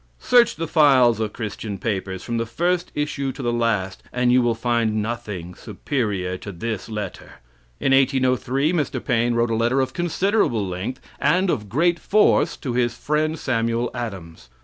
Search the files of Christian papers, from the first issue to the last, and you will find nothing superior to this letter. In 1803 Mr. Paine wrote a letter of considerable length, and of great force to his friend Samuel Adams.